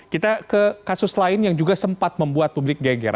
kita ke kasus lain yang juga sempat membuat publik geger